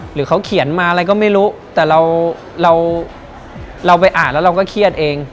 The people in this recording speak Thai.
หรือเขาเขียนมาอะไรก็ไม่รู้แต่เราเราไปอ่านแล้วเราก็เครียดเอง